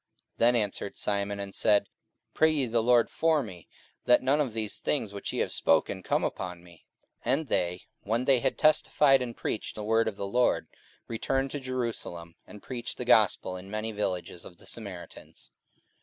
44:008:024 Then answered Simon, and said, Pray ye to the LORD for me, that none of these things which ye have spoken come upon me. 44:008:025 And they, when they had testified and preached the word of the Lord, returned to Jerusalem, and preached the gospel in many villages of the Samaritans.